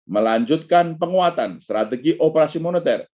melanjutkan penguatan strategi operasi moneter